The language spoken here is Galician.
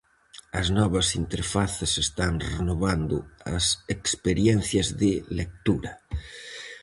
As novas interfaces están renovando as experiencias de lectura.